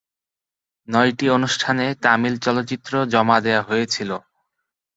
নয়টি অনুষ্ঠানে তামিল চলচ্চিত্র জমা দেওয়া হয়েছিল।